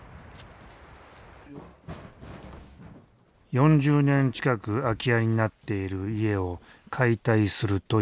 ４０年近く空き家になっている家を解体するという。